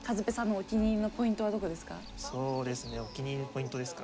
お気に入りのポイントですか。